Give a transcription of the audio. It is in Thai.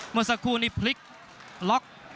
เมื่อสักครู่นี้พลิกล็อก